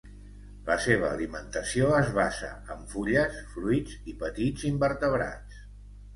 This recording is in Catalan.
La seva alimentació es basa en fulles, fruits i petits invertebrats.